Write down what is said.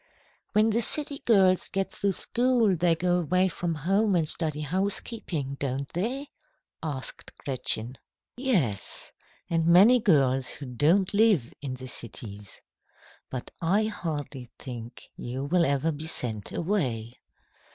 "When the city girls get through school, they go away from home and study housekeeping don't they?" asked Gretchen. "Yes, and many girls who don't live in cities. But I hardly think you will ever be sent away.